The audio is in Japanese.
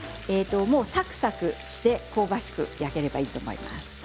サクサクして香ばしく焼ければいいと思います。